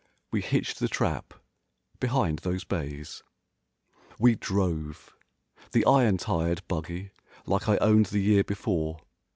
We hitched the trap—behind those bays. We drove. The iron tired buggy like I owned the year before.